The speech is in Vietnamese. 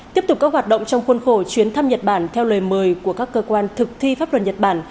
tiếp tục các hoạt động trong khuôn khổ chuyến thăm nhật bản theo lời mời của các cơ quan thực thi pháp luật nhật bản